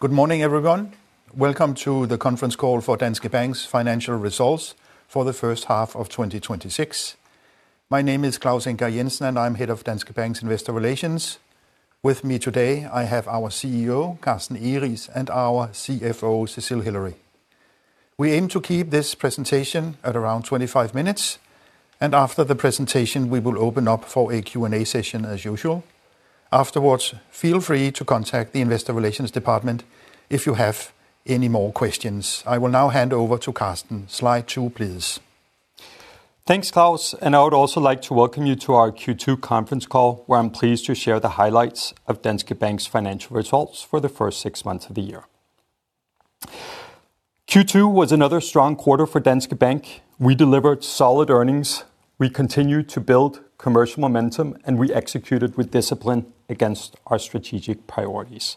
Good morning, everyone. Welcome to the conference call for Danske Bank's financial results for the first half of 2026. My name is Claus Ingar Jensen, and I'm Head of Danske Bank's Investor Relations. With me today, I have our CEO, Carsten Egeriis, and our CFO, Cecile Hillary. We aim to keep this presentation at around 25 minutes. After the presentation, we will open up for a Q&A session as usual. Afterwards, feel free to contact the investor relations department if you have any more questions. I will now hand over to Carsten. Slide two, please. Thanks, Claus. I would also like to welcome you to our Q2 conference call, where I'm pleased to share the highlights of Danske Bank's financial results for the first six months of the year. Q2 was another strong quarter for Danske Bank. We delivered solid earnings. We continued to build commercial momentum, and we executed with discipline against our strategic priorities.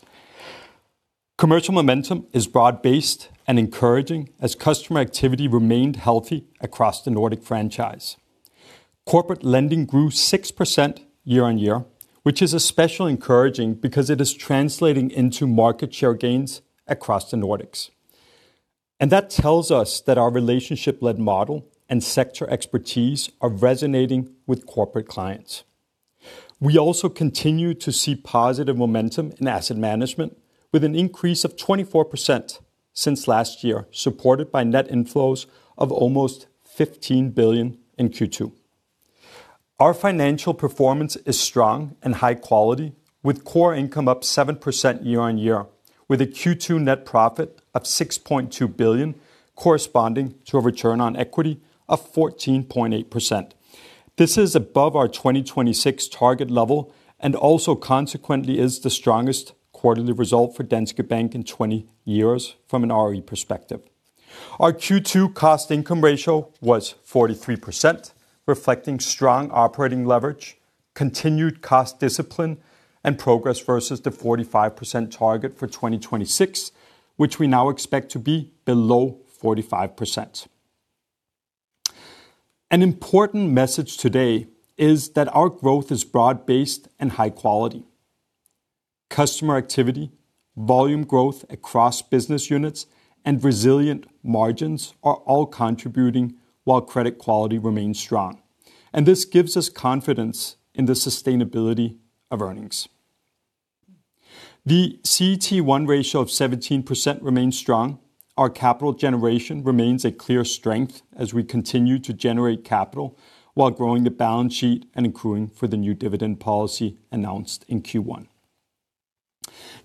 Commercial momentum is broad-based and encouraging as customer activity remained healthy across the Nordic franchise. Corporate lending grew 6% year-on-year, which is especially encouraging because it is translating into market share gains across the Nordics. That tells us that our relationship-led model and sector expertise are resonating with corporate clients. We also continue to see positive momentum in asset management with an increase of 24% since last year, supported by net inflows of almost 15 billion in Q2. Our financial performance is strong and high quality with core income up 7% year-on-year with a Q2 net profit of 6.2 billion corresponding to a return on equity of 14.8%. This is above our 2026 target level and also consequently is the strongest quarterly result for Danske Bank in 20 years from an ROE perspective. Our Q2 cost income ratio was 43%, reflecting strong operating leverage, continued cost discipline, and progress versus the 45% target for 2026, which we now expect to be below 45%. An important message today is that our growth is broad-based and high quality. Customer activity, volume growth across business units, and resilient margins are all contributing while credit quality remains strong. This gives us confidence in the sustainability of earnings. The CET1 ratio of 17% remains strong. Our capital generation remains a clear strength as we continue to generate capital while growing the balance sheet and accruing for the new dividend policy announced in Q1.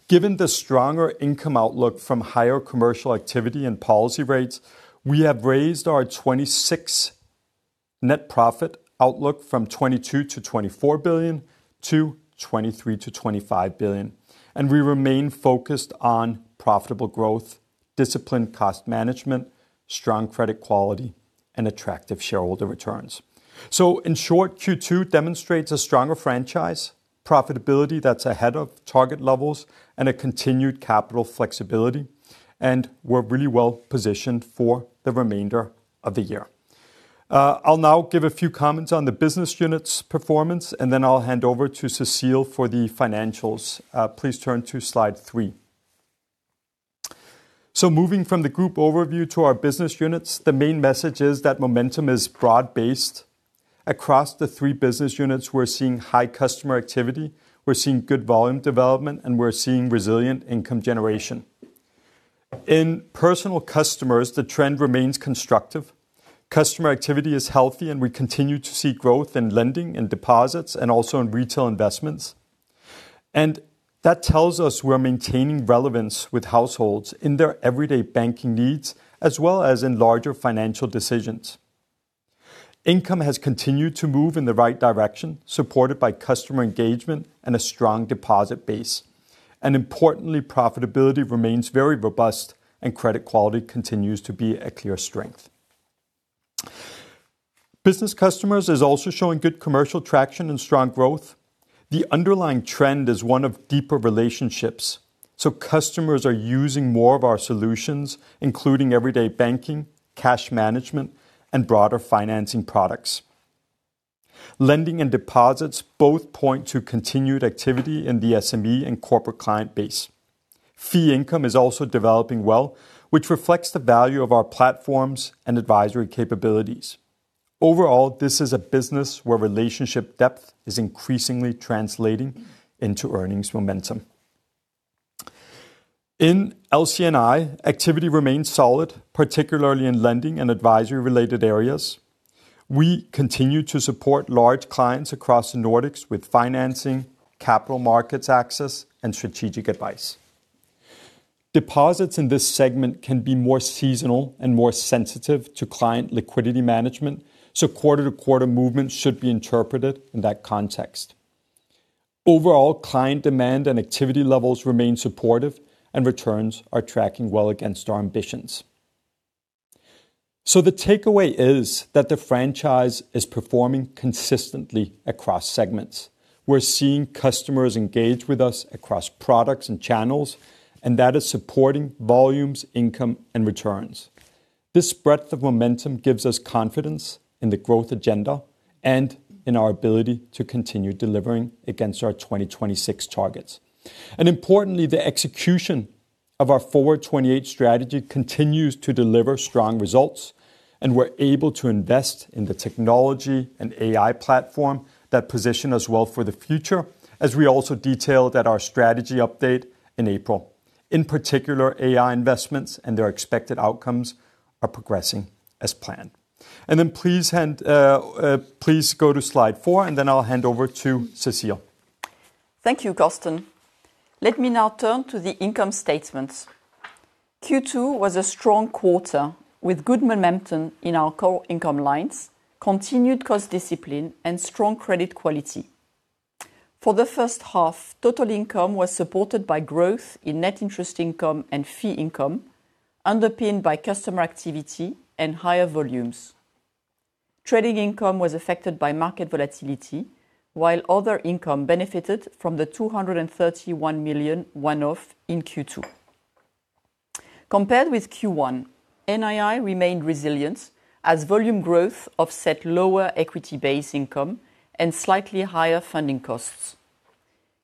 Given the stronger income outlook from higher commercial activity and policy rates, we have raised our 2026 net profit outlook from 22 billion-24 billion to 23 billion-25 billion. We remain focused on profitable growth, disciplined cost management, strong credit quality, and attractive shareholder returns. In short, Q2 demonstrates a stronger franchise profitability that's ahead of target levels and a continued capital flexibility. We're really well-positioned for the remainder of the year. I'll now give a few comments on the business units' performance. Then I'll hand over to Cecile for the financials. Please turn to Slide three. Moving from the group overview to our business units, the main message is that momentum is broad-based. Across the three business units, we're seeing high customer activity, we're seeing good volume development, and we're seeing resilient income generation. In personal customers, the trend remains constructive. Customer activity is healthy, and we continue to see growth in lending and deposits and also in retail investments. That tells us we're maintaining relevance with households in their everyday banking needs, as well as in larger financial decisions. Income has continued to move in the right direction, supported by customer engagement and a strong deposit base. Importantly, profitability remains very robust and credit quality continues to be a clear strength. Business Customers is also showing good commercial traction and strong growth. The underlying trend is one of deeper relationships, so customers are using more of our solutions, including everyday banking, cash management, and broader financing products. Lending and deposits both point to continued activity in the SME and corporate client base. Fee income is also developing well, which reflects the value of our platforms and advisory capabilities. This is a business where relationship depth is increasingly translating into earnings momentum. In LC&I, activity remains solid, particularly in lending and advisory-related areas. We continue to support large clients across the Nordics with financing, capital markets access, and strategic advice. Deposits in this segment can be more seasonal and more sensitive to client liquidity management, so quarter-to-quarter movements should be interpreted in that context. Client demand and activity levels remain supportive, and returns are tracking well against our ambitions. The takeaway is that the franchise is performing consistently across segments. We're seeing customers engage with us across products and channels, and that is supporting volumes, income, and returns. This breadth of momentum gives us confidence in the growth agenda and in our ability to continue delivering against our 2026 targets. Importantly, the execution of our Forward 2028 strategy continues to deliver strong results, and we're able to invest in the technology and AI platform that position us well for the future, as we also detailed at our strategy update in April. In particular, AI investments and their expected outcomes are progressing as planned. Then please go to slide four, and then I'll hand over to Cecile. Thank you, Carsten. Let me now turn to the income statement. Q2 was a strong quarter with good momentum in our core income lines, continued cost discipline, and strong credit quality. For the first half, total income was supported by growth in net interest income and fee income, underpinned by customer activity and higher volumes. Trading income was affected by market volatility, while other income benefited from the 231 million one-off in Q2. Compared with Q1, NII remained resilient as volume growth offset lower equity base income and slightly higher funding costs.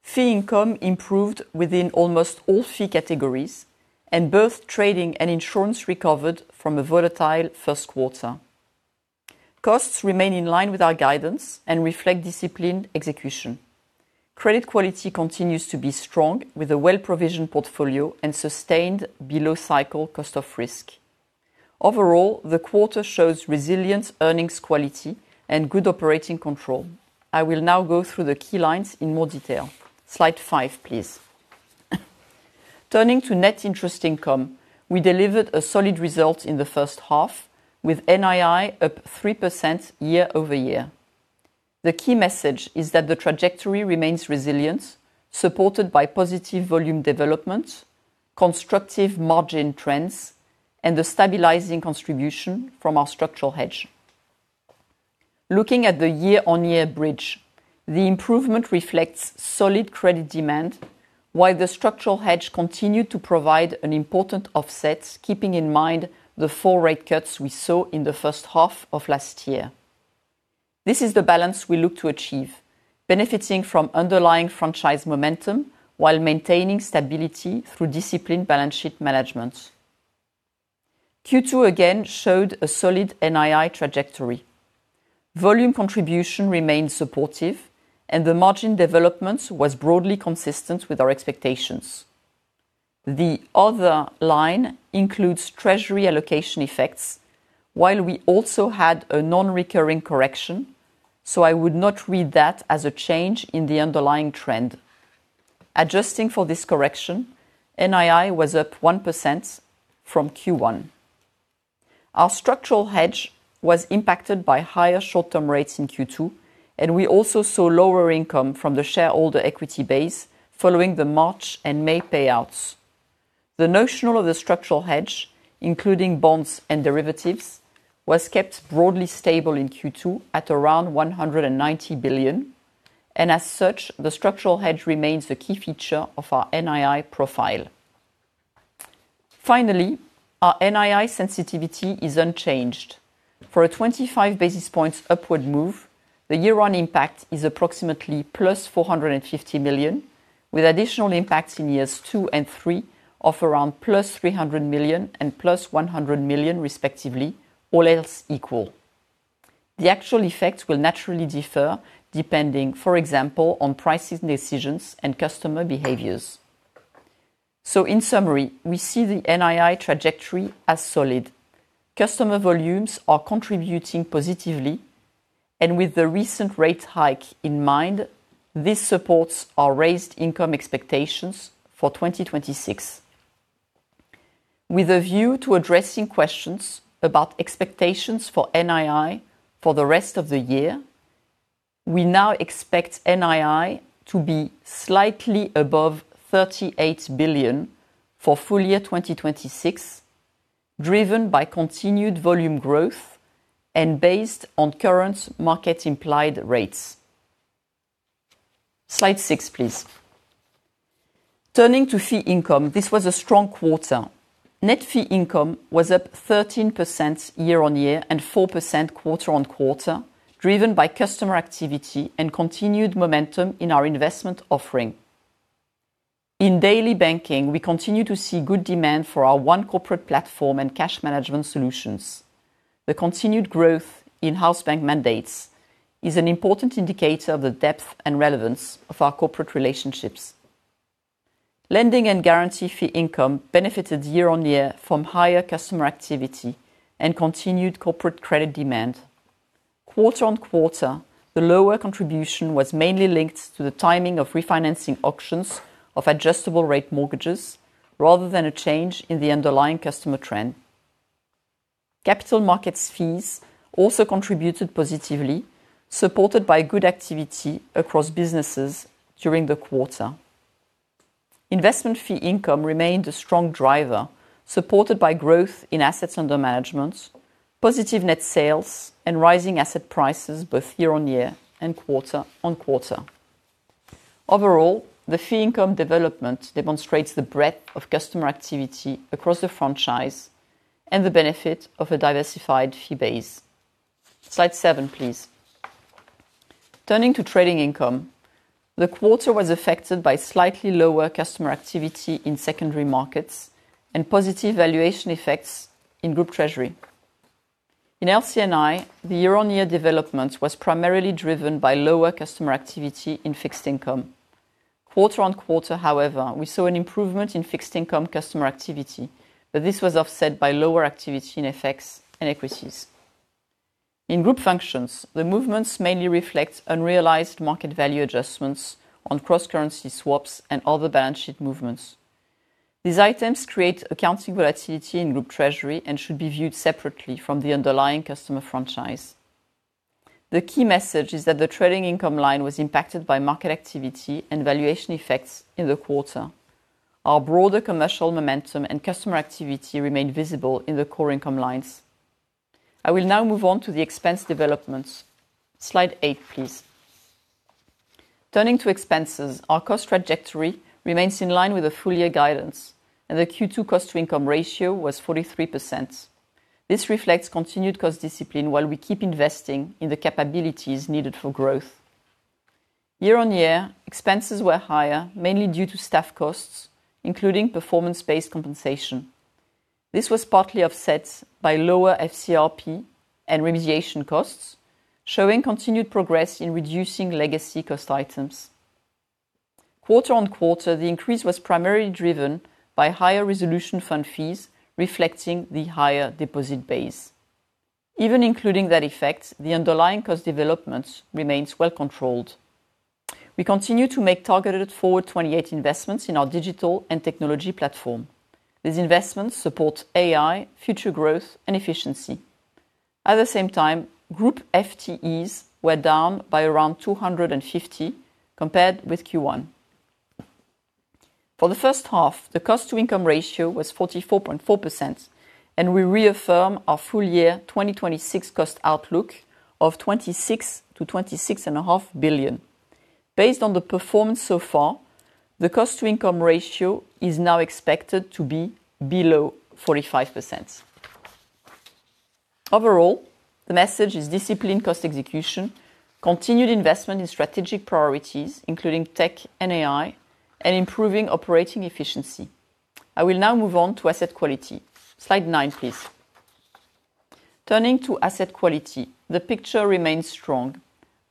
Fee income improved within almost all fee categories, and both trading and insurance recovered from a volatile first quarter. Costs remain in line with our guidance and reflect disciplined execution. Credit quality continues to be strong with a well-provisioned portfolio and sustained below-cycle cost of risk. The quarter shows resilient earnings quality and good operating control. I will now go through the key lines in more detail. Slide five, please. Turning to net interest income, we delivered a solid result in the first half with NII up 3% year-over-year. The key message is that the trajectory remains resilient, supported by positive volume development, constructive margin trends, and the stabilizing contribution from our structural hedge. Looking at the year-on-year bridge, the improvement reflects solid credit demand, while the structural hedge continued to provide an important offset, keeping in mind the four rate cuts we saw in the first half of last year. This is the balance we look to achieve, benefiting from underlying franchise momentum while maintaining stability through disciplined balance sheet management. Q2, again, showed a solid NII trajectory. Volume contribution remained supportive, and the margin development was broadly consistent with our expectations. The other line includes treasury allocation effects, while we also had a non-recurring correction, so I would not read that as a change in the underlying trend. Adjusting for this correction, NII was up 1% from Q1. Our structural hedge was impacted by higher short-term rates in Q2, and we also saw lower income from the shareholder equity base following the March and May payouts. The notional of the structural hedge, including bonds and derivatives, was kept broadly stable in Q2 at around 190 billion, and as such, the structural hedge remains the key feature of our NII profile. Finally, our NII sensitivity is unchanged. For a 25 basis points upward move, the year-on impact is approximately +450 million, with additional impacts in years two and three of around +300 million and +100 million respectively, all else equal. The actual effect will naturally differ depending, for example, on pricing decisions and customer behaviors. In summary, we see the NII trajectory as solid. Customer volumes are contributing positively, and with the recent rate hike in mind, this supports our raised income expectations for 2026. With a view to addressing questions about expectations for NII for the rest of the year, we now expect NII to be slightly above 38 billion for full-year 2026, driven by continued volume growth and based on current market-implied rates. Slide six, please. Turning to fee income, this was a strong quarter. Net fee income was up 13% year-on-year and 4% quarter-on-quarter, driven by customer activity and continued momentum in our investment offering. In daily banking, we continue to see good demand for our One Corporate platform and cash management solutions. The continued growth in house bank mandates is an important indicator of the depth and relevance of our corporate relationships. Lending and guarantee fee income benefited year-on-year from higher customer activity and continued corporate credit demand. Quarter-on-quarter, the lower contribution was mainly linked to the timing of refinancing auctions of adjustable rate mortgages, rather than a change in the underlying customer trend. Capital markets fees also contributed positively, supported by good activity across businesses during the quarter. Investment fee income remained a strong driver, supported by growth in assets under management, positive net sales, and rising asset prices, both year-on-year and quarter-on-quarter. Overall, the fee income development demonstrates the breadth of customer activity across the franchise and the benefit of a diversified fee base. Slide seven, please. Turning to trading income, the quarter was affected by slightly lower customer activity in secondary markets and positive valuation effects in group treasury. In LC&I, the year-on-year development was primarily driven by lower customer activity in fixed income. Quarter-on-quarter, however, we saw an improvement in fixed income customer activity, but this was offset by lower activity in FX and equities. In group functions, the movements mainly reflect unrealized market value adjustments on cross-currency swaps and other balance sheet movements. These items create accounting volatility in group treasury and should be viewed separately from the underlying customer franchise. The key message is that the trading income line was impacted by market activity and valuation effects in the quarter. Our broader commercial momentum and customer activity remain visible in the core income lines. I will now move on to the expense developments. Slide eight, please. Turning to expenses, our cost trajectory remains in line with the full-year guidance, and the Q2 cost-to-income ratio was 43%. This reflects continued cost discipline while we keep investing in the capabilities needed for growth. Year-on-year, expenses were higher, mainly due to staff costs, including performance-based compensation. This was partly offset by lower FCRP and remediation costs, showing continued progress in reducing legacy cost items. Quarter-on-quarter, the increase was primarily driven by higher resolution fund fees, reflecting the higher deposit base. Even including that effect, the underlying cost development remains well controlled. We continue to make targeted Forward 2028 investments in our digital and technology platform. These investments support AI, future growth, and efficiency. At the same time, group FTEs were down by around 250 compared with Q1. For the first half, the cost-to-income ratio was 44.4%, and we reaffirm our full-year 2026 cost outlook of 26 billion-26.5 billion. Based on the performance so far, the cost-to-income ratio is now expected to be below 45%. Overall, the message is disciplined cost execution, continued investment in strategic priorities, including tech and AI, and improving operating efficiency. I will now move on to asset quality. Slide nine, please. Turning to asset quality, the picture remains strong.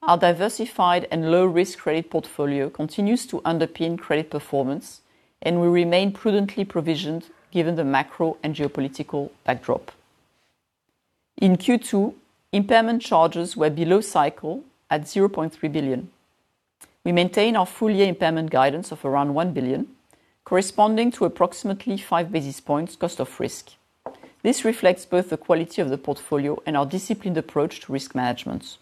Our diversified and low-risk credit portfolio continues to underpin credit performance, and we remain prudently provisioned given the macro and geopolitical backdrop. In Q2, impairment charges were below cycle at 0.3 billion. We maintain our full-year impairment guidance of around 1 billion, corresponding to approximately 5 basis points cost of risk. This reflects both the quality of the portfolio and our disciplined approach to risk management.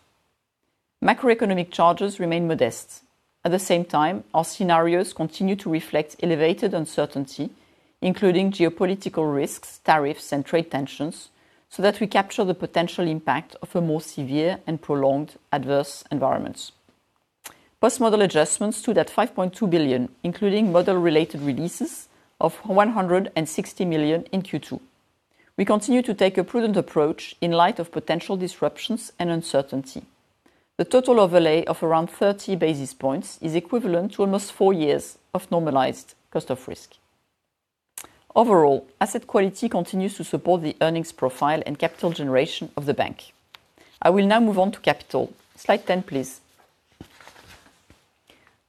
Macroeconomic charges remain modest. At the same time, our scenarios continue to reflect elevated uncertainty, including geopolitical risks, tariffs, and trade tensions, so that we capture the potential impact of a more severe and prolonged adverse environment. Post-model adjustments stood at 5.2 billion, including model-related releases of 160 million in Q2. We continue to take a prudent approach in light of potential disruptions and uncertainty. The total overlay of around 30 basis points is equivalent to almost four years of normalized cost of risk. Overall, asset quality continues to support the earnings profile and capital generation of the bank. I will now move on to capital. Slide 10, please.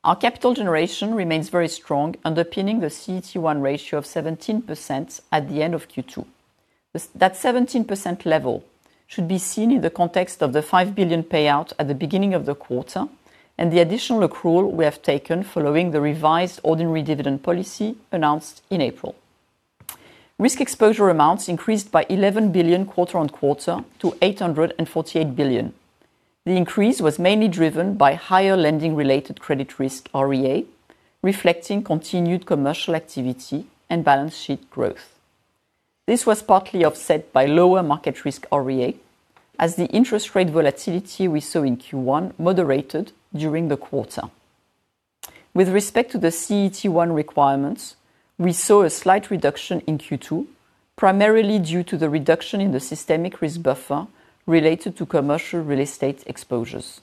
Our capital generation remains very strong, underpinning the CET1 ratio of 17% at the end of Q2. That 17% level should be seen in the context of the 5 billion payout at the beginning of the quarter and the additional accrual we have taken following the revised ordinary dividend policy announced in April. Risk exposure amounts increased by 11 billion quarter-on-quarter to 848 billion. The increase was mainly driven by higher lending-related credit risk REA, reflecting continued commercial activity and balance sheet growth. This was partly offset by lower market risk REA as the interest rate volatility we saw in Q1 moderated during the quarter. With respect to the CET1 requirements, we saw a slight reduction in Q2, primarily due to the reduction in the systemic risk buffer related to commercial real estate exposures.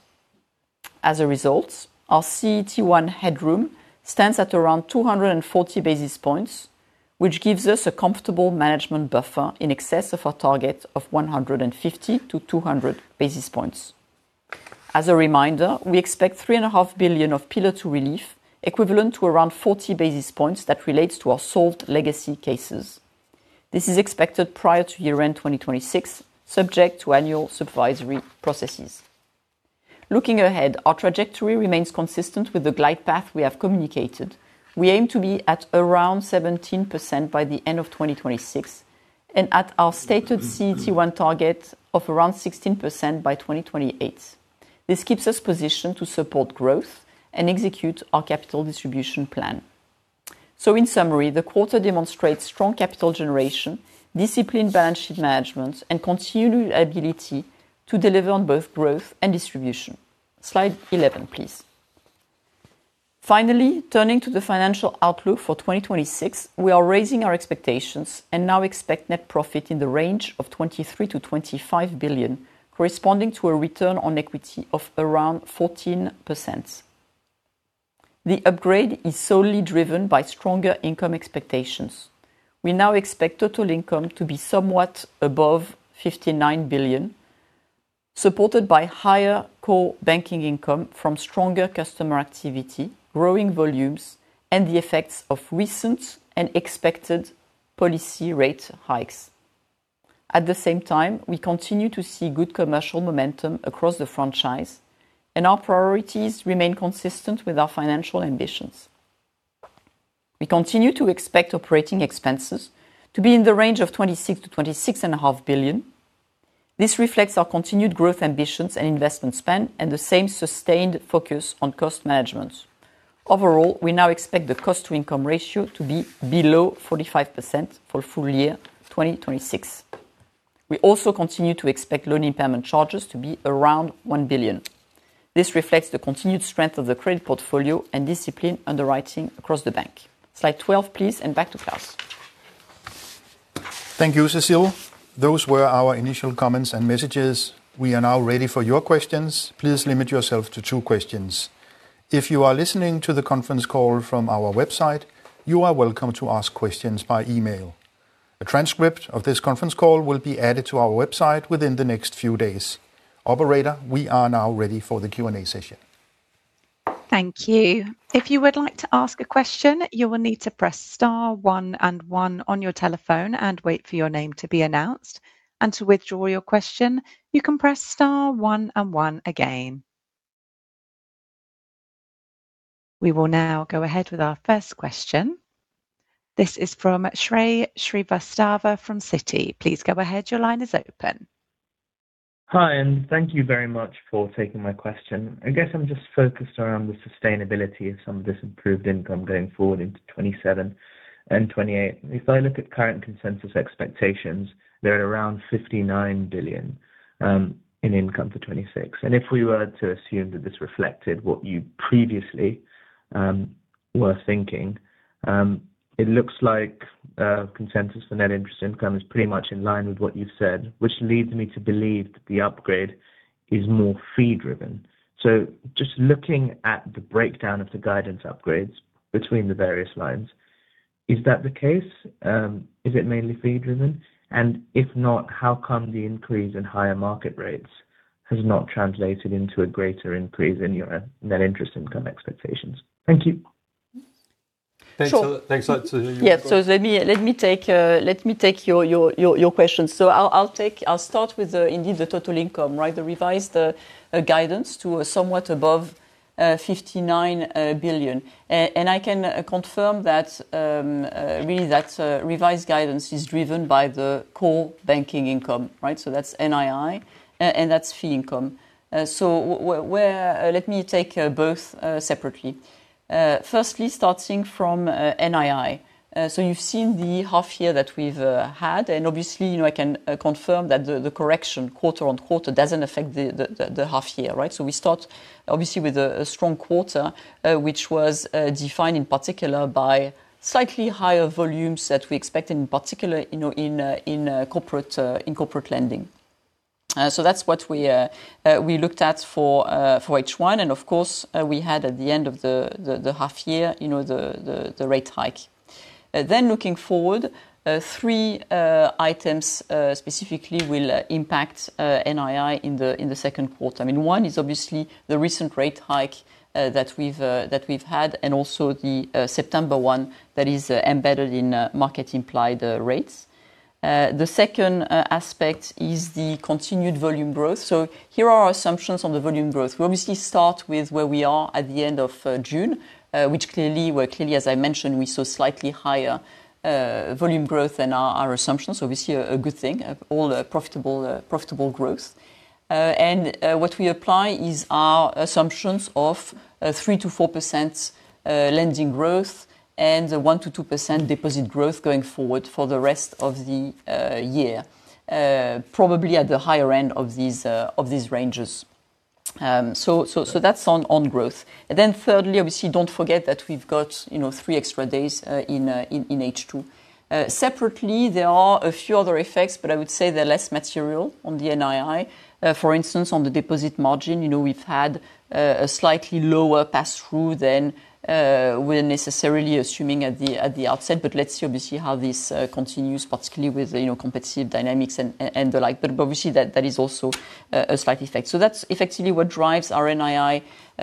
As a result, our CET1 headroom stands at around 240 basis points, which gives us a comfortable management buffer in excess of our target of 150 basis points-200 basis points. As a reminder, we expect 3.5 billion of Pillar 2 relief, equivalent to around 40 basis points that relates to our solved legacy cases. This is expected prior to year-end 2026, subject to annual supervisory processes. Looking ahead, our trajectory remains consistent with the glide path we have communicated. We aim to be at around 17% by the end of 2026 and at our stated CET1 target of around 16% by 2028. This keeps us positioned to support growth and execute our capital distribution plan. In summary, the quarter demonstrates strong capital generation, disciplined balance sheet management, and continued ability to deliver on both growth and distribution. Slide 11, please. Finally, turning to the financial outlook for 2026, we are raising our expectations and now expect net profit in the range of 23 billion-25 billion, corresponding to a return on equity of around 14%. The upgrade is solely driven by stronger income expectations. We now expect total income to be somewhat above 59 billion, supported by higher core banking income from stronger customer activity, growing volumes, and the effects of recent and expected policy rate hikes. At the same time, we continue to see good commercial momentum across the franchise, and our priorities remain consistent with our financial ambitions. We continue to expect operating expenses to be in the range of 26 billion-26.5 billion. This reflects our continued growth ambitions and investment spend, and the same sustained focus on cost management. Overall, we now expect the cost-to-income ratio to be below 45% for full year 2026. We also continue to expect loan impairment charges to be around 1 billion. This reflects the continued strength of the credit portfolio and discipline underwriting across the bank. Slide 12, please, and back to Claus. Thank you, Cecile. Those were our initial comments and messages. We are now ready for your questions. Please limit yourself to two questions. If you are listening to the conference call from our website, you are welcome to ask questions by email. A transcript of this conference call will be added to our website within the next few days. Operator, we are now ready for the Q&A session. Thank you. If you would like to ask a question, you will need to press star one and one on your telephone and wait for your name to be announced. To withdraw your question, you can press star one and one again. We will now go ahead with our first question. This is from Shrey Srivastava from Citi. Please go ahead. Your line is open. Hi. Thank you very much for taking my question. I guess I'm just focused around the sustainability of some of this improved income going forward into 2027 and 2028. If I look at current consensus expectations, they're at around 59 billion in income for 2026. If we were to assume that this reflected what you previously were thinking, it looks like consensus for net interest income is pretty much in line with what you've said, which leads me to believe that the upgrade is more fee driven. Just looking at the breakdown of the guidance upgrades between the various lines, is that the case? Is it mainly fee driven? If not, how come the increase in higher market rates has not translated into a greater increase in your net interest income expectations? Thank you. Thanks a lot to- Yeah. Let me take your question. I'll start with indeed, the total income, the revised guidance to somewhat above 59 billion. I can confirm that really that revised guidance is driven by the core banking income. That's NII, and that's fee income. Let me take both separately. Firstly, starting from NII. You've seen the half year that we've had. Obviously, I can confirm that the correction quarter-on-quarter doesn't affect the half year. We start, obviously, with a strong quarter, which was defined in particular by slightly higher volumes that we expect, in particular in corporate lending. That's what we looked at for H1. Of course, we had at the end of the half year, the rate hike. Looking forward, three items specifically will impact NII in the second quarter. One is obviously the recent rate hike that we've had and also the September one that is embedded in market-implied rates. The second aspect is the continued volume growth. Here are our assumptions on the volume growth. We obviously start with where we are at the end of June, which clearly, as I mentioned, we saw slightly higher volume growth than our assumptions. Obviously, a good thing. All profitable growth. What we apply is our assumptions of 3%-4% lending growth and 1%-2% deposit growth going forward for the rest of the year, probably at the higher end of these ranges. That's on growth. Thirdly, obviously, don't forget that we've got three extra days in H2. Separately, there are a few other effects, but I would say they're less material on the NII. For instance, on the deposit margin, we've had a slightly lower pass-through than we're necessarily assuming at the outset, but let's see, obviously, how this continues, particularly with competitive dynamics and the like. Obviously, that is also a slight effect. That's effectively what drives our NII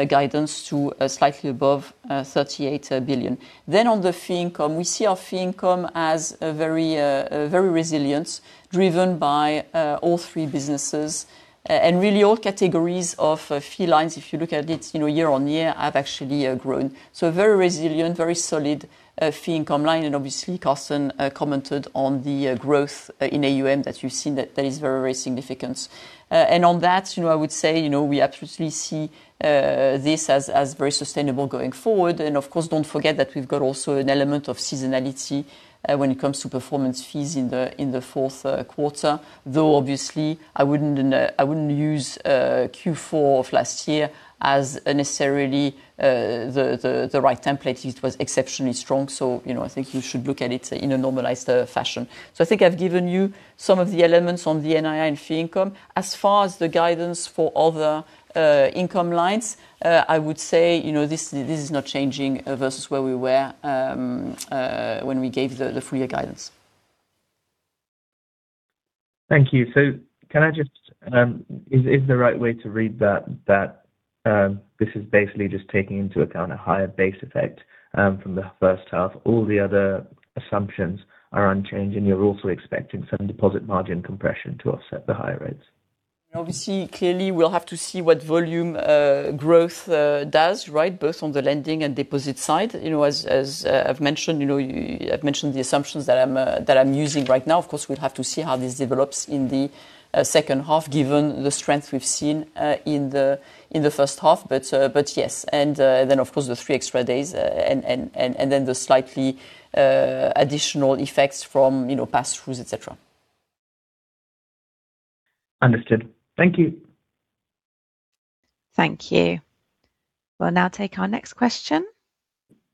guidance to slightly above 38 billion. On the fee income, we see our fee income as very resilient, driven by all three businesses. Really all categories of fee lines, if you look at it year-on-year, have actually grown. Very resilient, very solid fee income line, and obviously Carsten commented on the growth in AUM that you've seen that is very significant. On that, I would say, we absolutely see this as very sustainable going forward. Of course, don't forget that we've got also an element of seasonality when it comes to performance fees in the fourth quarter, though, obviously, I wouldn't use Q4 of last year as necessarily the right template. It was exceptionally strong. I think you should look at it in a normalized fashion. I think I've given you some of the elements on the NII and fee income. As far as the guidance for other income lines, I would say, this is not changing versus where we were when we gave the full year guidance. Thank you. Is the right way to read that this is basically just taking into account a higher base effect from the first half, all the other assumptions are unchanged, and you're also expecting some deposit margin compression to offset the higher rates? Obviously, clearly, we'll have to see what volume growth does, both on the lending and deposit side. As I've mentioned the assumptions that I'm using right now, of course, we'll have to see how this develops in the second half given the strength we've seen in the first half. Yes. Then, of course, the three extra days, and then the slightly additional effects from pass-throughs, et cetera. Understood. Thank you. Thank you. We'll now take our next question.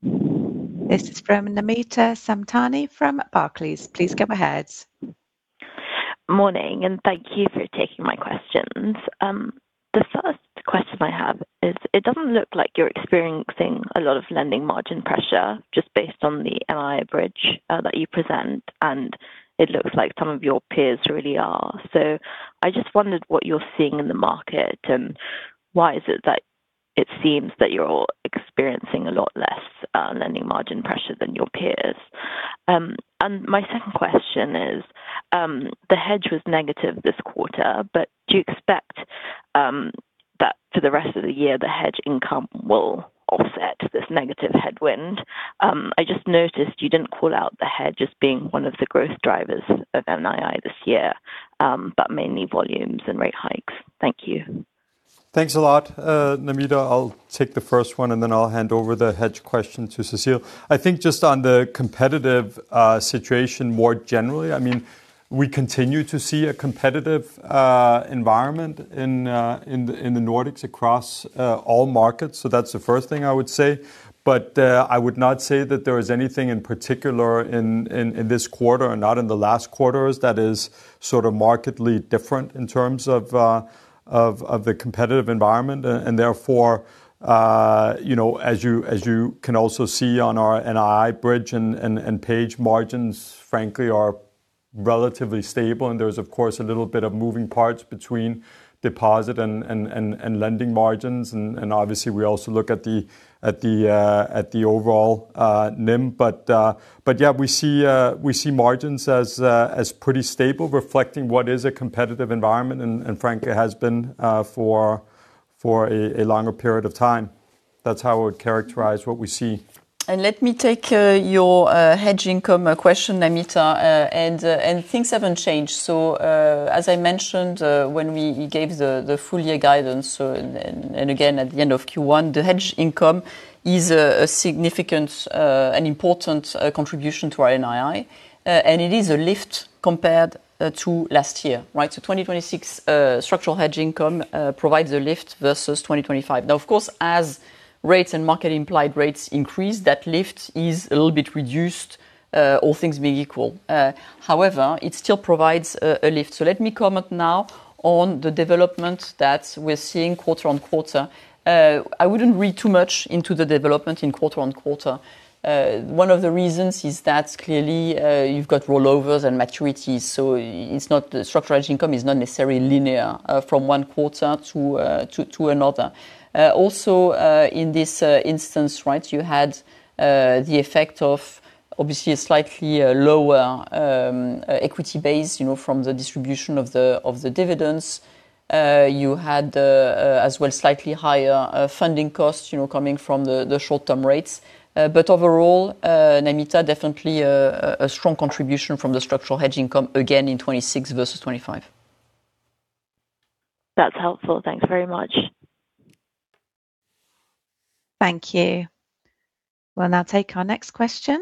This is from Namita Samtani from Barclays. Please go ahead. Morning, thank you for taking my questions. The first question I have is, it doesn't look like you're experiencing a lot of lending margin pressure just based on the NII bridge that you present, and it looks like some of your peers really are. I just wondered what you're seeing in the market, and why is it that it seems that you're all experiencing a lot less lending margin pressure than your peers. My second question is, the hedge was negative this quarter, but do you expect that for the rest of the year, the hedge income will offset this negative headwind? I just noticed you didn't call out the hedge as being one of the growth drivers of NII this year, but mainly volumes and rate hikes. Thank you. Thanks a lot, Namita. I'll take the first one, and then I'll hand over the hedge question to Cecile. I think just on the competitive situation more generally, we continue to see a competitive environment in the Nordics across all markets. That's the first thing I would say. I would not say that there is anything in particular in this quarter and not in the last quarters that is markedly different in terms of the competitive environment. Therefore, as you can also see on our NII bridge and page margins, frankly, are relatively stable, and there's, of course, a little bit of moving parts between deposit and lending margins. Obviously, we also look at the overall NIM. Yeah, we see margins as pretty stable, reflecting what is a competitive environment, and frankly, has been for a longer period of time. That's how I would characterize what we see. Let me take your hedge income question, Namita, things haven't changed. As I mentioned, when we gave the full year guidance, and again at the end of Q1, the hedge income is a significant and important contribution to our NII, and it is a lift compared to last year. 2026 structural hedge income provides a lift versus 2025. Of course, as rates and market-implied rates increase, that lift is a little bit reduced, all things being equal. However, it still provides a lift. Let me comment now on the development that we're seeing quarter on quarter. I wouldn't read too much into the development in quarter on quarter. One of the reasons is that clearly you've got rollovers and maturities, structural hedge income is not necessarily linear from one quarter to another. Also, in this instance, you had the effect of obviously a slightly lower equity base from the distribution of the dividends. You had, as well, slightly higher funding costs coming from the short-term rates. Overall, Namita, definitely a strong contribution from the structural hedge income again in 2026 versus 2025. That's helpful. Thanks very much. Thank you. We'll now take our next question.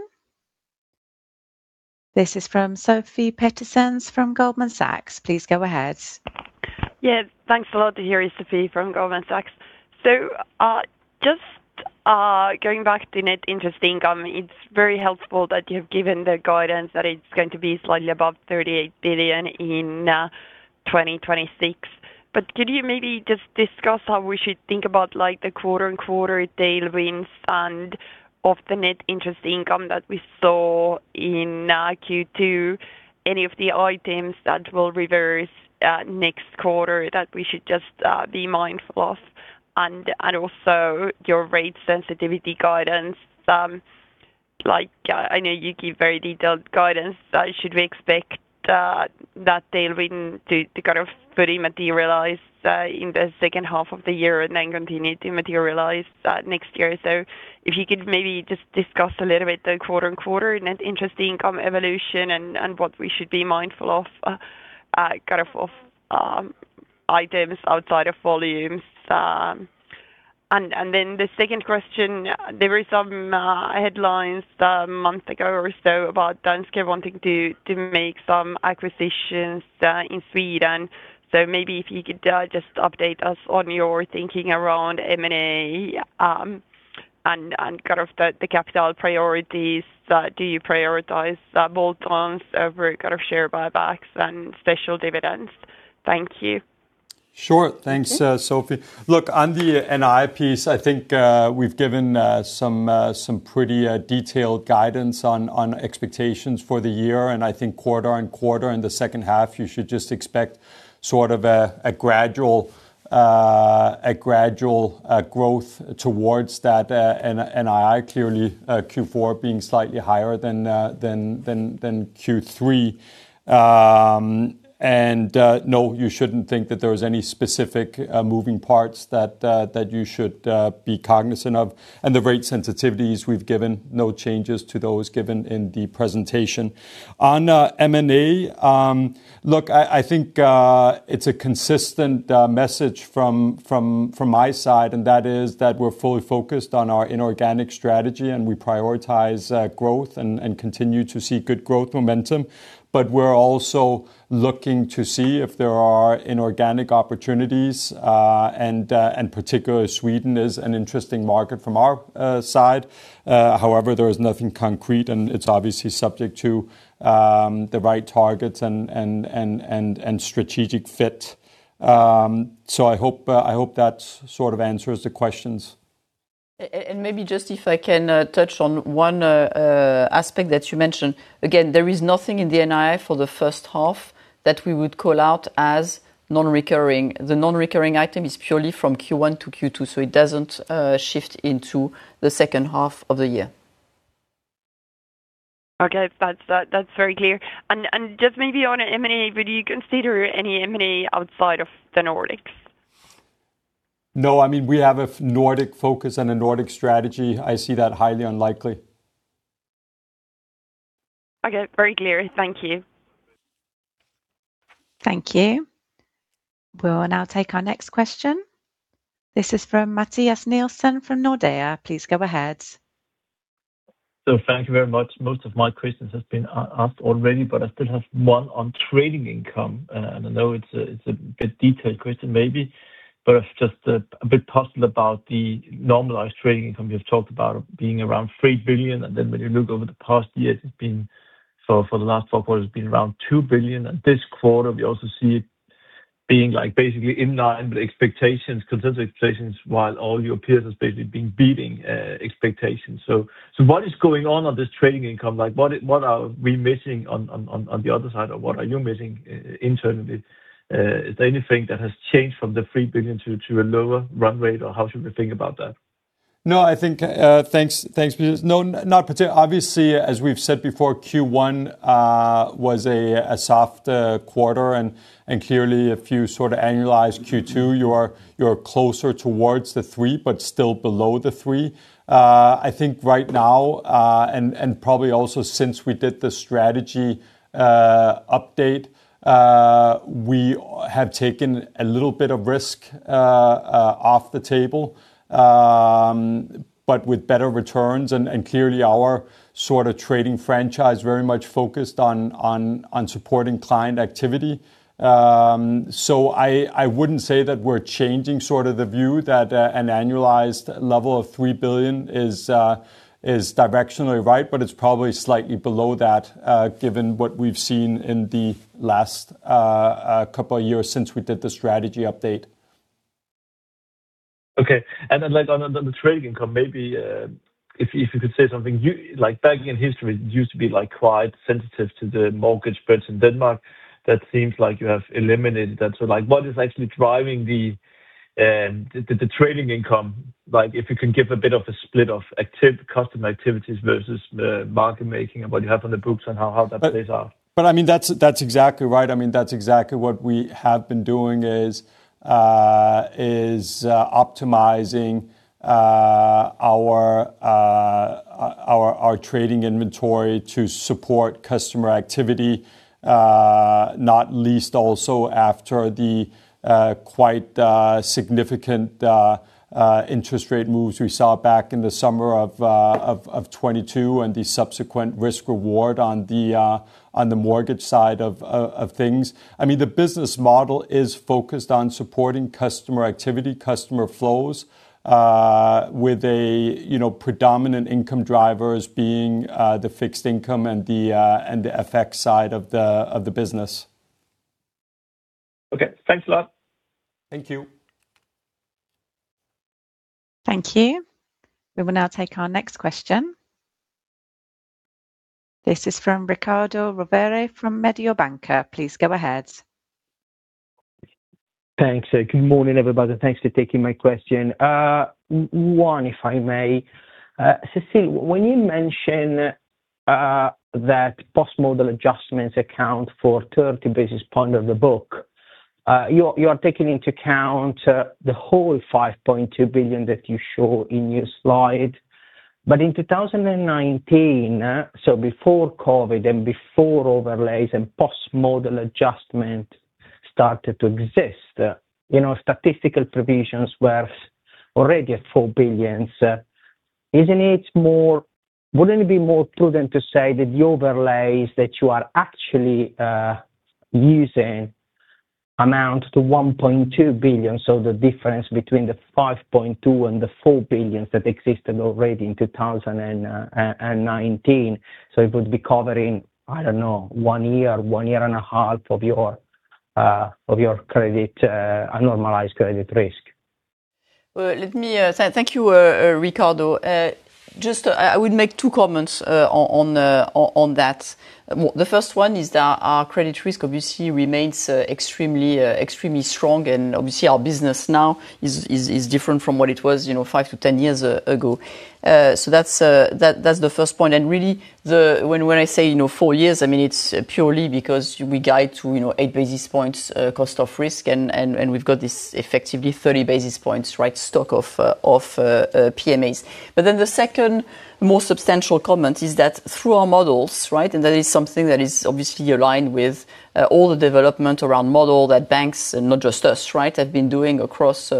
This is from Sofie Peterzéns from Goldman Sachs. Please go ahead. Thanks a lot. Here is Sofie from Goldman Sachs. Just going back to net interest income, it's very helpful that you have given the guidance that it's going to be slightly above 38 billion in 2026. Could you maybe just discuss how we should think about the quarter-on-quarter tailwinds and of the net interest income that we saw in Q2, any of the items that will reverse next quarter that we should just be mindful of, and also your rate sensitivity guidance? I know you give very detailed guidance. Should we expect that tailwind to fully materialize in the second half of the year and then continue to materialize next year? If you could maybe just discuss a little bit the quarter-on-quarter net interest income evolution and what we should be mindful of kind of items outside of volumes. The second question, there were some headlines a month ago or so about Danske wanting to make some acquisitions in Sweden. Maybe if you could just update us on your thinking around M&A and the capital priorities. Do you prioritize bolt-ons over share buybacks and special dividends? Thank you. Sure. Thanks, Sofie. Look, on the NII piece, I think we've given some pretty detailed guidance on expectations for the year, I think quarter-on-quarter in the second half you should just expect sort of a gradual growth towards that NII. Clearly Q4 being slightly higher than Q3. No, you shouldn't think that there is any specific moving parts that you should be cognizant of. The rate sensitivities we've given, no changes to those given in the presentation. On M&A, look, I think it's a consistent message from my side, that is that we're fully focused on our inorganic strategy, we prioritize growth and continue to see good growth momentum. We're also looking to see if there are inorganic opportunities. Particularly Sweden is an interesting market from our side. However, there is nothing concrete, it's obviously subject to the right targets and strategic fit. I hope that sort of answers the questions. Maybe just if I can touch on one aspect that you mentioned. Again, there is nothing in the NII for the first half that we would call out as non-recurring. The non-recurring item is purely from Q1 to Q2, it doesn't shift into the second half of the year. Okay. That's very clear. Just maybe on M&A, would you consider any M&A outside of the Nordics? No. We have a Nordic focus and a Nordic strategy. I see that highly unlikely. Okay. Very clear. Thank you. Thank you. We'll now take our next question. This is from Mathias Nielsen from Nordea. Please go ahead. Thank you very much. Most of my questions has been asked already, but I still have one on trading income. I know it's a bit detailed question maybe. I was just a bit puzzled about the normalized trading income you have talked about being around 3 billion, and then when you look over the past year, for the last four quarters it's been around 2 billion. This quarter we also see it being basically in line with expectations, consensus expectations, while all your peers has basically been beating expectations. What is going on on this trading income? What are we missing on the other side, or what are you missing internally? Is there anything that has changed from the 3 billion to a lower run rate, or how should we think about that? No, I think. Thanks. No, not particular. Obviously, as we've said before, Q1 was a soft quarter and clearly if you sort of annualize Q2, you are closer towards the 3 billion, but still below the 3 billion. I think right now, and probably also since we did the strategy update, we have taken a little bit of risk off the table. With better returns and clearly our sort of trading franchise very much focused on supporting client activity. I wouldn't say that we're changing sort of the view that an annualized level of 3 billion is directionally right, but it's probably slightly below that given what we've seen in the last couple of years since we did the strategy update. Okay. On the trading income, maybe if you could say something. Back in history, it used to be quite sensitive to the mortgage spreads in Denmark. That seems like you have eliminated that. What is actually driving the trading income? If you can give a bit of a split of customer activities versus the market making and what you have on the books and how that plays out. That's exactly right. That's exactly what we have been doing is optimizing our trading inventory to support customer activity, not least also after the quite significant interest rate moves we saw back in the summer of 2022 and the subsequent risk reward on the mortgage side of things. The business model is focused on supporting customer activity, customer flows, with a predominant income drivers being the fixed income and the FX side of the business. Okay. Thanks a lot. Thank you. Thank you. We will now take our next question. This is from Riccardo Rovere from Mediobanca. Please go ahead. Thanks. Good morning, everybody, and thanks for taking my question. One, if I may. Cecile, when you mention that post-model adjustments account for 30 basis points of the book, you are taking into account the whole 5.2 billion that you show in your slide. In 2019, before COVID and before overlays and post-model adjustment started to exist, statistical provisions were already at 4 billion. Wouldn't it be more prudent to say that the overlays that you are actually using amount to 1.2 billion, the difference between the 5.2 and the 4 billion that existed already in 2019? It would be covering, I don't know, one year, one year and a half of your normalized credit risk. Well, thank you, Riccardo. Just I would make two comments on that. The first one is that our credit risk obviously remains extremely strong, and obviously, our business now is different from what it was 5-10 years ago. That's the first point. Really, when I say four years, it's purely because we guide to eight basis points cost of risk, and we've got this effectively 30 basis points stock of PMAs. The second, more substantial comment is that through our models, and that is something that is obviously aligned with all the development around model that banks, and not just us, have been doing across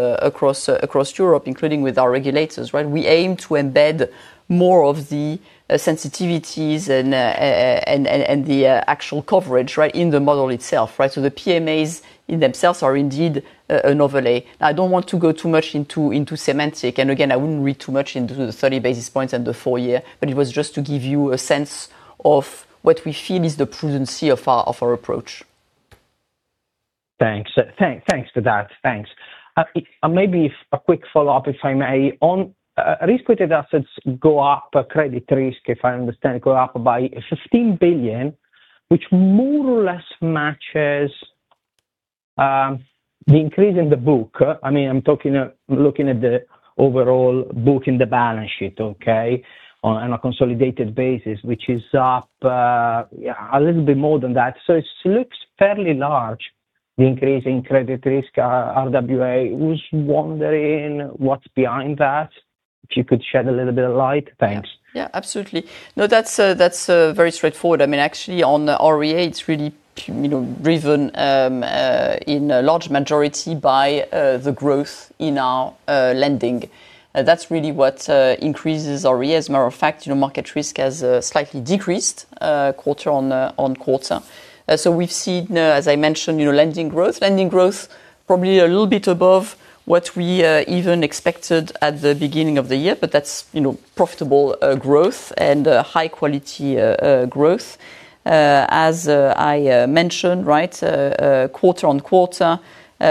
Europe, including with our regulators. We aim to embed more of the sensitivities and the actual coverage in the model itself. The PMAs in themselves are indeed an overlay. Now, I don't want to go too much into semantics, and again, I wouldn't read too much into the 30 basis points and the four-year, but it was just to give you a sense of what we feel is the prudency of our approach. Thanks. Thanks for that. Thanks. Maybe a quick follow-up, if I may. On risk-weighted assets go up, credit risk, if I understand, go up by 16 billion, which more or less matches the increase in the book. I'm looking at the overall book in the balance sheet on a consolidated basis, which is up a little bit more than that. It looks fairly large, the increase in credit risk RWA. Was wondering what's behind that, if you could shed a little bit of light. Thanks. Yeah, absolutely. That's very straightforward. Actually, on RWA, it's really driven in a large majority by the growth in our lending. That's really what increases RWA. As a matter of fact, market risk has slightly decreased quarter-on-quarter. We've seen, as I mentioned, lending growth. Lending growth probably a little bit above what we even expected at the beginning of the year, but that's profitable growth and high-quality growth. As I mentioned, quarter-on-quarter,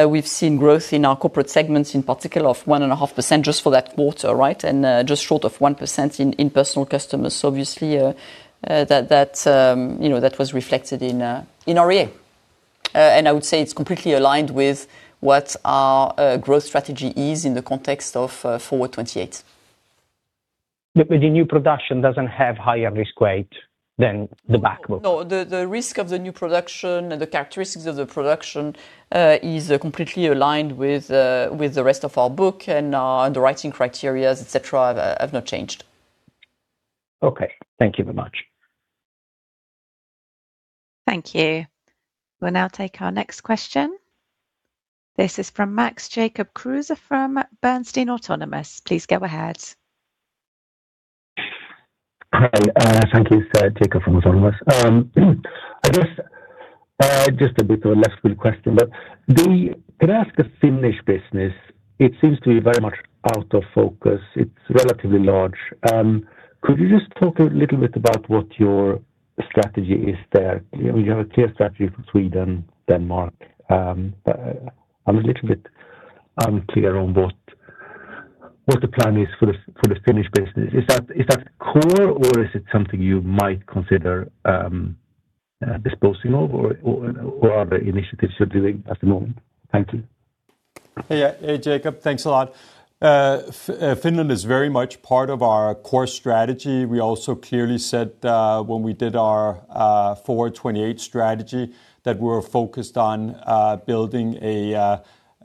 we've seen growth in our corporate segments, in particular of 1.5% just for that quarter, and just short of 1% in Personal Customers. Obviously, that was reflected in RWA. I would say it's completely aligned with what our growth strategy is in the context of Forward 2028. The new production doesn't have higher risk weight than the back book? No, the risk of the new production and the characteristics of the production is completely aligned with the rest of our book, and our underwriting criteria, et cetera, have not changed. Okay. Thank you very much. Thank you. We'll now take our next question. This is from Max Jacob Kruse from Bernstein Autonomous. Please go ahead. Hi. Thank you. It's Jacob from Autonomous. I guess, just a bit of a left field question, but can I ask the Finnish business, it seems to be very much out of focus. It's relatively large. Could you just talk a little bit about what your strategy is there? You have a clear strategy for Sweden, Denmark. I'm a little bit unclear on what the plan is for the Finnish business. Is that core, or is it something you might consider disposing of, or are there initiatives you're doing at the moment? Thank you. Hey, Jacob. Thanks a lot. Finland is very much part of our core strategy. We also clearly said when we did our Forward 2028 strategy that we're focused on building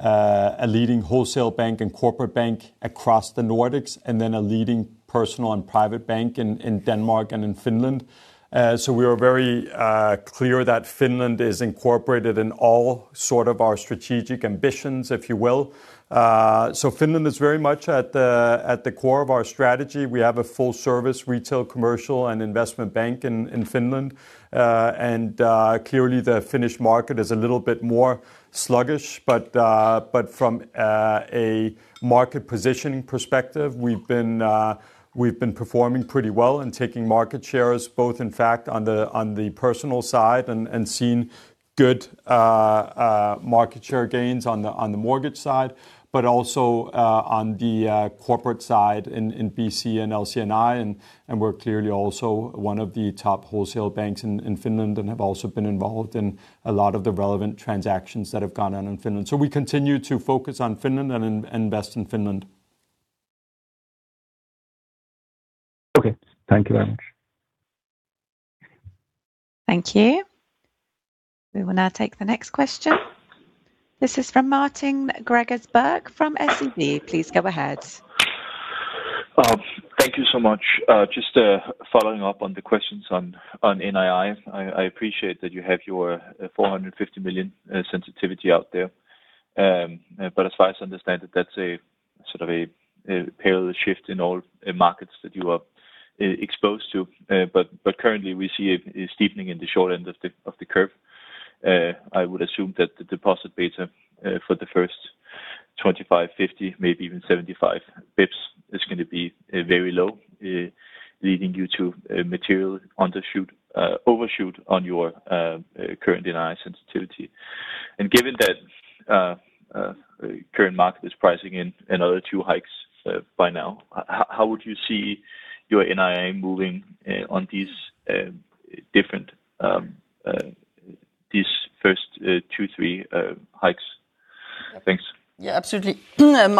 a leading wholesale bank and corporate bank across the Nordics, and then a leading personal and private bank in Denmark and in Finland. We are very clear that Finland is incorporated in all sort of our strategic ambitions, if you will. Finland is very much at the core of our strategy. We have a full-service retail, commercial, and investment bank in Finland. Clearly, the Finnish market is a little bit more sluggish. From a market positioning perspective, we've been performing pretty well and taking market shares, both in fact on the personal side and seen good market share gains on the mortgage side, but also on the corporate side in BC and LC&I, and we're clearly also one of the top wholesale banks in Finland and have also been involved in a lot of the relevant transactions that have gone on in Finland. We continue to focus on Finland and invest in Finland. Okay. Thank you very much. Thank you. We will now take the next question. This is from Martin Gregers Birk from SEB. Please go ahead. Thank you so much. Just following up on the questions on NII. I appreciate that you have your 450 million sensitivity out there. As far as I understand it, that's a parallel shift in all markets that you are exposed to. Currently, we see a steepening in the short end of the curve. I would assume that the deposit beta for the first 25 basis points, 50 basis points, maybe even 75 basis points is going to be very low, leading you to a material overshoot on your current NII sensitivity. Given that current market is pricing in another two hikes by now, how would you see your NII moving on these first two, three hikes? Thanks. Yeah, absolutely.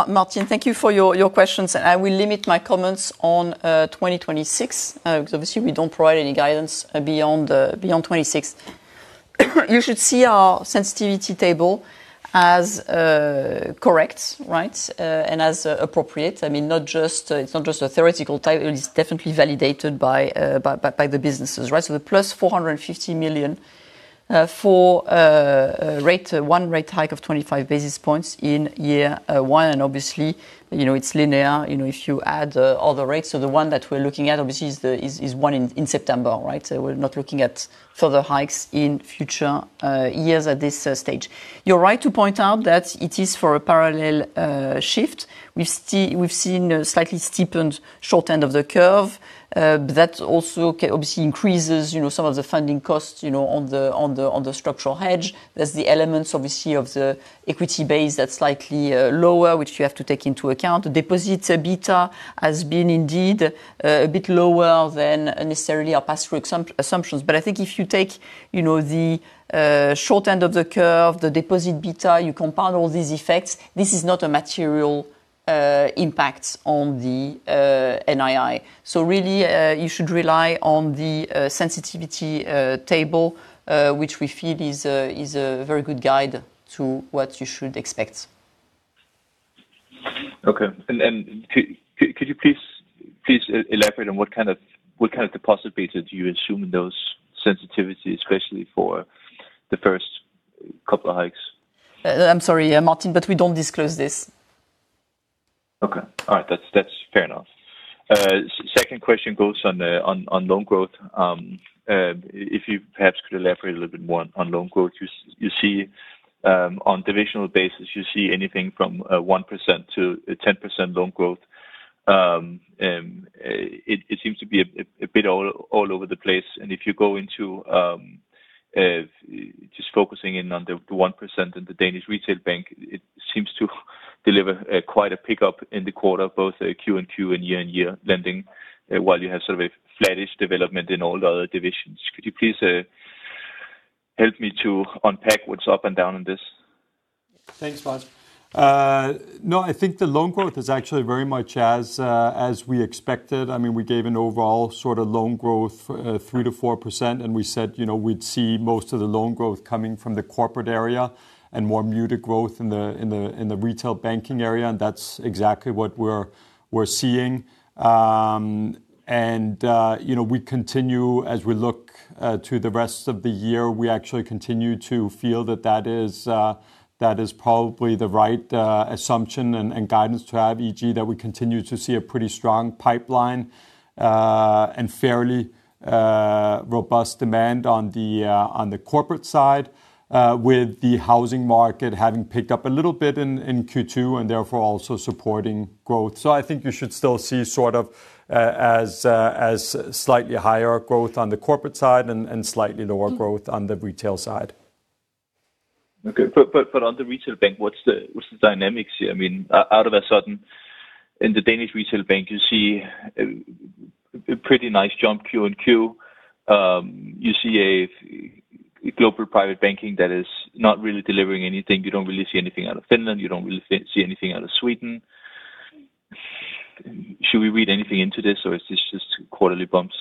Martin, thank you for your questions. I will limit my comments on 2026, because obviously we don't provide any guidance beyond 2026. You should see our sensitivity table as correct and as appropriate. It's not just a theoretical table, it is definitely validated by the businesses. The +450 million for one rate hike of 25 basis points in year one, and obviously, it's linear. If you add all the rates, the one that we're looking at, obviously, is one in September, right? We're not looking at further hikes in future years at this stage. You're right to point out that it is for a parallel shift. We've seen a slightly steepened short end of the curve. That also obviously increases some of the funding costs on the structural hedge. There's the elements, obviously, of the equity base that's slightly lower, which you have to take into account. Deposit beta has been indeed a bit lower than necessarily our pass-through assumptions. I think if you take the short end of the curve, the deposit beta, you compound all these effects, this is not a material impact on the NII. Really, you should rely on the sensitivity table, which we feel is a very good guide to what you should expect. Okay. Could you please elaborate on what kind of deposit beta do you assume in those sensitivities, especially for the first couple of hikes? I'm sorry, Martin, but we don't disclose this. Okay. All right. That's fair enough. Second question goes on loan growth. If you perhaps could elaborate a little bit more on loan growth. On divisional basis, you see anything from 1%-10% loan growth. It seems to be a bit all over the place. If you go into just focusing in on the 1% in the Danish retail bank, it seems to deliver quite a pickup in the quarter, both Q-on-Q and year-over-year lending, while you have sort of a flattish development in all the other divisions. Could you please help me to unpack what's up and down on this? Thanks, Martin. I think the loan growth is actually very much as we expected. We gave an overall loan growth 3%-4%, and we said we'd see most of the loan growth coming from the corporate area and more muted growth in the retail banking area, and that's exactly what we're seeing. As we look to the rest of the year, we actually continue to feel that that is probably the right assumption and guidance to have. That we continue to see a pretty strong pipeline and fairly robust demand on the corporate side, with the housing market having picked up a little bit in Q2 and therefore also supporting growth. I think you should still see as slightly higher growth on the corporate side and slightly lower growth on the retail side. Okay. On the retail bank, what's the dynamics here? All of a sudden, in the Danish retail bank, you see a pretty nice jump Q-on-Q. You see a global private banking that is not really delivering anything. You don't really see anything out of Finland. You don't really see anything out of Sweden. Should we read anything into this, or is this just quarterly bumps?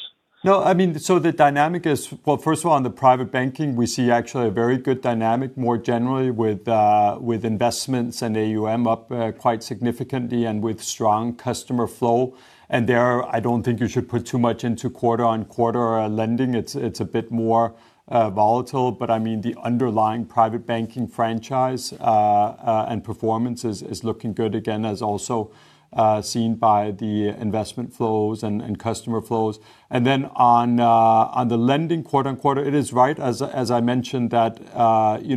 No. The dynamic is, well, first of all, on the private banking, we see actually a very good dynamic more generally with investments and AUM up quite significantly and with strong customer flow. There, I don't think you should put too much into quarter-on-quarter lending. It's a bit more volatile, but the underlying private banking franchise and performance is looking good again, as also seen by the investment flows and customer flows. On the lending quarter-on-quarter, it is right, as I mentioned that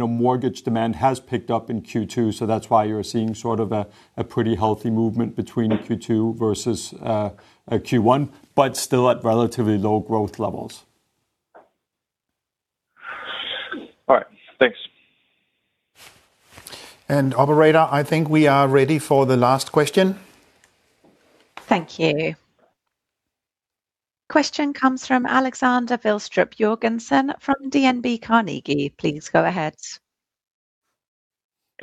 mortgage demand has picked up in Q2, so that's why you're seeing sort of a pretty healthy movement between Q2 versus Q1, but still at relatively low growth levels. All right. Thanks. Operator, I think we are ready for the last question. Thank you. Question comes from Alexander Vilstrup-Jørgensen from DNB Carnegie. Please go ahead.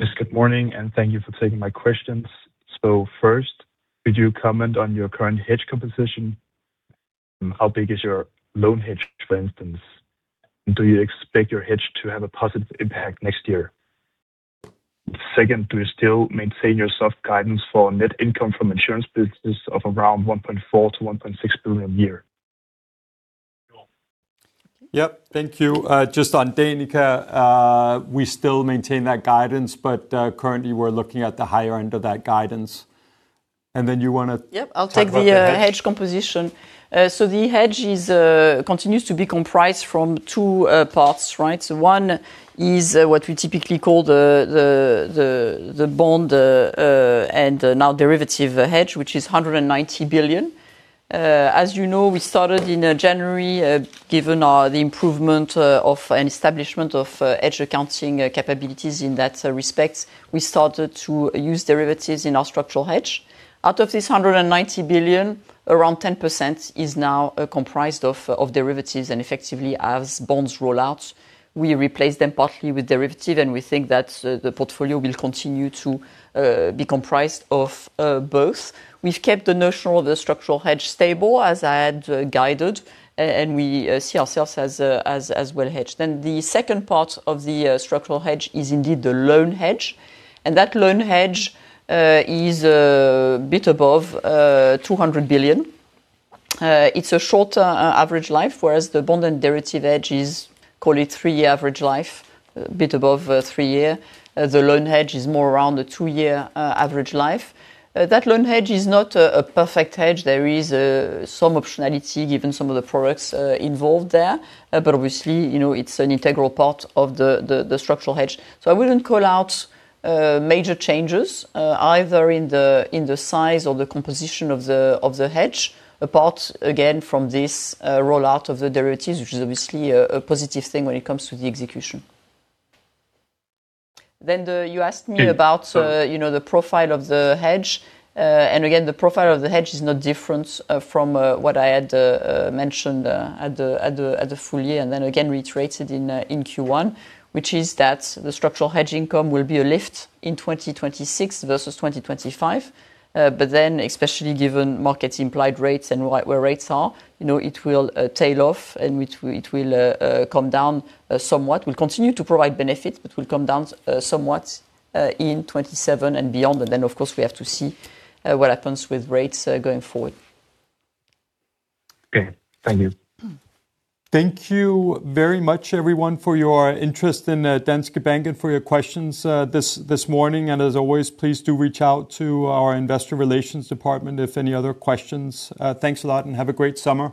Yes. Good morning, and thank you for taking my questions. First, could you comment on your current hedge composition? How big is your loan hedge, for instance? Do you expect your hedge to have a positive impact next year? Second, do you still maintain your soft guidance for net income from insurance business of around 1.4 billion-1.6 billion a year? Yep. Thank you. Just on Danica, we still maintain that guidance, but currently we're looking at the higher end of that guidance. Yep. I'll take the hedge composition. The hedge continues to be comprised from two parts, right? One is what we typically call the bond, and now derivative hedge, which is 190 billion. As you know, we started in January, given the improvement of an establishment of hedge accounting capabilities in that respect. We started to use derivatives in our structural hedge. Out of this 190 billion, around 10% is now comprised of derivatives, and effectively, as bonds roll out, we replace them partly with derivative, and we think that the portfolio will continue to be comprised of both. We've kept the notion of the structural hedge stable, as I had guided, and we see ourselves as well hedged. The second part of the structural hedge is indeed the loan hedge. That loan hedge is a bit above 200 billion. It's a shorter average life, whereas the bond and derivative hedge is, call it, three average life, a bit above three year. The loan hedge is more around the two-year average life. That loan hedge is not a perfect hedge. There is some optionality given some of the products involved there. Obviously, it's an integral part of the structural hedge. I wouldn't call out major changes either in the size or the composition of the hedge apart again from this rollout of the derivatives, which is obviously a positive thing when it comes to the execution. You asked me about the profile of the hedge, and again, the profile of the hedge is no different from what I had mentioned at the full year, and again reiterated in Q1, which is that the structural hedge income will be a lift in 2026 versus 2025. Especially given markets' implied rates and where rates are, it will tail off in which it will come down somewhat. Will continue to provide benefits, but will come down somewhat in 2027 and beyond. Of course, we have to see what happens with rates going forward. Okay. Thank you. Thank you very much, everyone, for your interest in Danske Bank and for your questions this morning. As always, please do reach out to our investor relations department if any other questions. Thanks a lot and have a great summer.